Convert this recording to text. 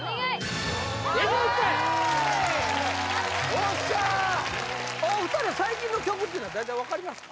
おっしゃお二人は最近の曲っていうのは大体分かりますか？